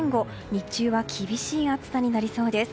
日中は厳しい暑さになりそうです。